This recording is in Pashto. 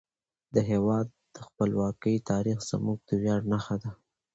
د هیواد د خپلواکۍ تاریخ زموږ د ویاړ نښه ده.